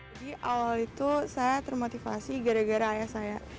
jadi awal itu saya termotivasi gara gara ayah saya